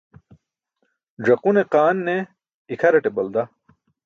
Ẓakune qaan ne ikʰaraṭe balda.